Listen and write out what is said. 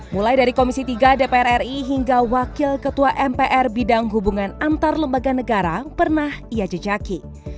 mulai dari komisi tiga dpr ri hingga wakil ketua mpr bidang hubungan antar lembaga negara pernah ia jejaki